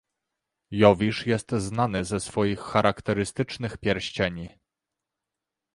Jowisz jest znany ze swoich charakterystycznych pierścieni.